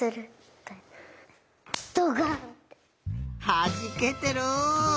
はじけてる！